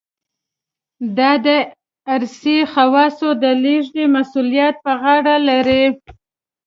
دا د ارثي خواصو د لېږد مسوولیت په غاړه لري.